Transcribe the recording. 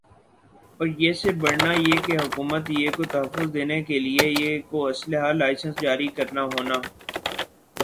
اور یِہ سے بڑھنا یِہ کہ حکومت یِہ کو تحفظ دینا کا لئے یِہ کو اسلحہ لائسنس جاری کرنا ہونا